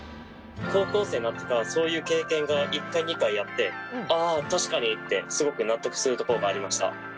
高校生になってからそういう経験が１回２回あって確かにってすごく納得するところがありました。